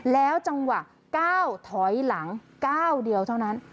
แล้วจังหวะก้าวถอยหลังก้าวเดียวเท่านั้น